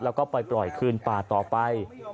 แล้วก็ไปปล่อยคืนป่าต่อไป